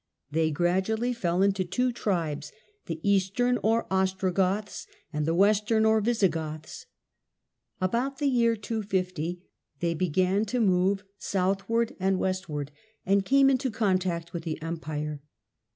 They gradually fell into two tribes, the Eastern, or Ostrogoths, and the Western, or Visigoths. About the year 250 they began to move southward and westward, and came into contact with the Empire.